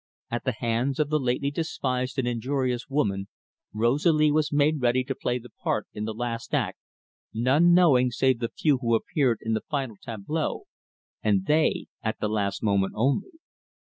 At the hands of the lately despised and injurious woman Rosalie was made ready to play the part in the last act, none knowing save the few who appeared in the final tableau, and they at the last moment only.